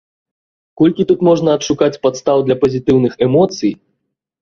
Колькі тут можна адшукаць падстаў для пазітыўных эмоцый!